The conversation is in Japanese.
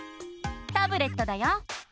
タブレットだよ！